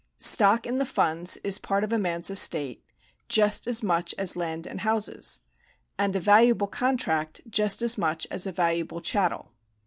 Stock in the funds is part of a man's estate, just as much as land and houses ; and a valuable contract, just as much as a valuable chattel.